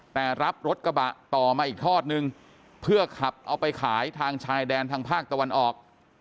แต่รับรถกระบะต่อมาอีกทอดนึงเพื่อขับเอาไปขายทางชายแดนทางภาคตะวันออก